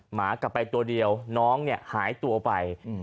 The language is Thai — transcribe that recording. หมากลับไปตัวเดียวน้องเนี่ยหายตัวไป